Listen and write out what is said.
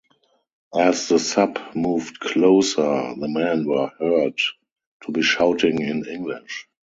As the sub moved closer, the men were heard to be shouting in English.